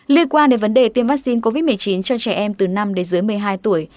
liên quan đến vấn đề tiêm vaccine covid một mươi chín cho trẻ em từ năm đến dưới một mươi hai tuổi